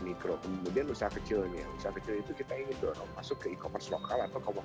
mikro kemudian usaha kecilnya usaha kecil itu kita ingin dorong masuk ke e commerce lokal atau